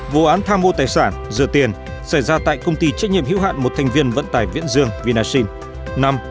bốn vụ án tham mô tài sản dừa tiền xảy ra tại công ty trách nhiệm hiếu hạn một thành viên vận tài viễn dương vinaxin